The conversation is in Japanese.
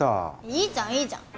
いいじゃんいいじゃん！